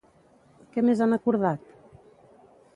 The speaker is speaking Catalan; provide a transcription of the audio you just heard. Què més han acordat?